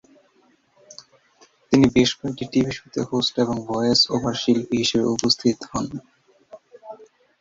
তিনি বেশ কয়েকটি টিভি শোতে হোস্ট এবং ভয়েস ওভার শিল্পী হিসাবে উপস্থিত হন।